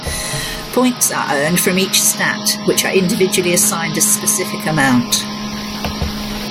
Points are earned from each stat, which are individually assigned a specific amount.